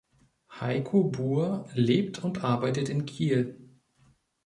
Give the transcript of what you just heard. Heiko Buhr lebt und arbeitet in Kiel.